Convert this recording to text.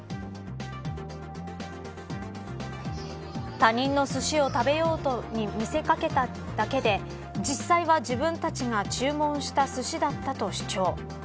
他人のすしを食べようと見せかけただけで実際は自分たちが注文したすしだったと主張。